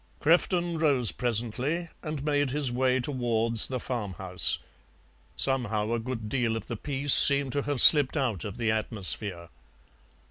Crefton rose presently and made his way towards the farm house. Somehow a good deal of the peace seemed to have slipped out of the atmosphere.